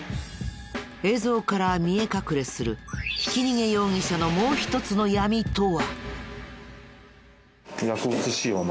映像から見え隠れするひき逃げ容疑者のもう一つの闇とは。